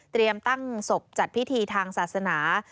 ตั้งศพจัดพิธีทางศาสนา